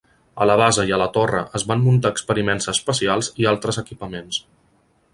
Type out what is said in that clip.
A la base i a la torre es van muntar experiments espacials i altres equipaments.